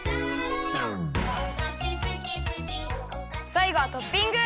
さいごはトッピング。